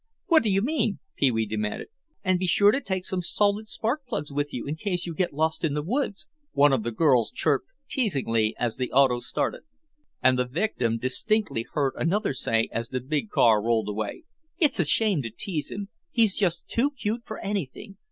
"What do you mean?" Pee wee demanded . "And be sure to take some salted spark plugs with you in case you get lost in the woods," one of the girls chirped teasingly as the auto started. And the victim distinctly heard another say, as the big car rolled away: "It's a shame to tease him; he's just too cute for anything.